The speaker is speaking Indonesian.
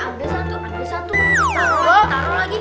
ambil satu ambil satu taruh lagi